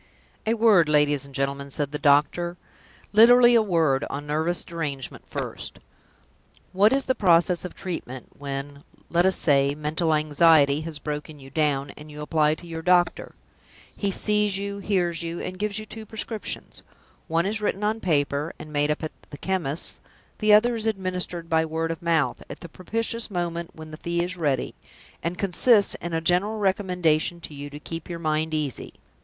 "A word, ladies and gentlemen," said the doctor; "literally a word, on nervous derangement first. What is the process of treatment, when, let us say, mental anxiety has broken you down, and you apply to your doctor? He sees you, hears you, and gives you two prescriptions. One is written on paper, and made up at the chemist's. The other is administered by word of mouth, at the propitious moment when the fee is ready; and consists in a general recommendation to you to keep your mind easy.